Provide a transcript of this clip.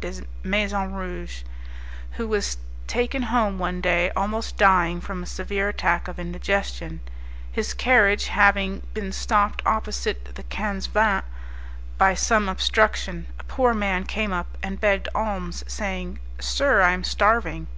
de Maisonrouge, who was taken home one day almost dying from a severe attack of indigestion: his carriage having been stopped opposite the Quinze Vingts by some obstruction, a poor man came up and begged alms, saying, "Sir, I am starving."